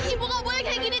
ibu gak boleh kayak gini